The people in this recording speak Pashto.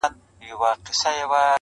• په کوهي کي لاندي څه کړې بې وطنه -